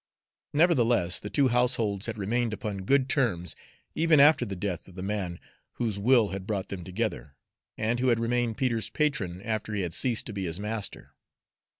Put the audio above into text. Nevertheless, the two households had remained upon good terms, even after the death of the man whose will had brought them together, and who had remained Peter's patron after he had ceased to be his master.